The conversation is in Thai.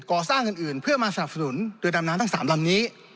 สร้างอื่นเพื่อมาสนับสนุนเรือดำน้ำทั้ง๓ลำนี้